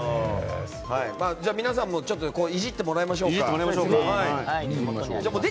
皆さんもいじってもらいましょうか。